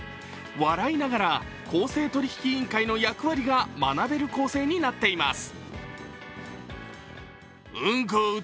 笑いながら公正取引委員会の役割が学べる構成になっています。